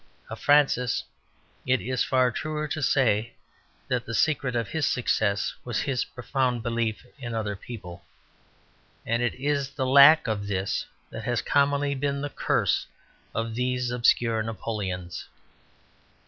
Of Francis it is far truer to say that the secret of his success was his profound belief in other people, and it is the lack of this that has commonly been the curse of these obscure Napoleons.